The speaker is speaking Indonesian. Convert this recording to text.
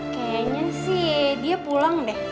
kayaknya sih dia pulang deh